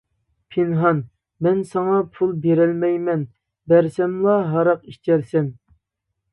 پىنھان : مەن ساڭا پۇل بېرەلمەيمەن، بەرسەملا ھاراق ئىچەرسەن.